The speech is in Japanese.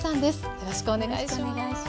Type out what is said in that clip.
よろしくお願いします。